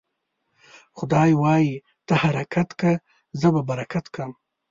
خداى وايي: ته حرکت که ، زه به برکت کم.